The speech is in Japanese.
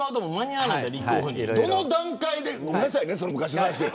どの段階でごめんなさいね、昔の話で。